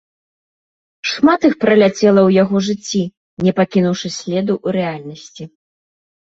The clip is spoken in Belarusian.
Шмат іх праляцела ў яго жыцці, не пакінуўшы следу ў рэальнасці.